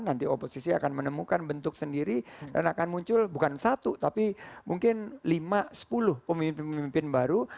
nanti oposisi akan menemukan bentuk sendiri dan akan muncul bukan satu tapi mungkin lima sepuluh pemimpin pemimpin baru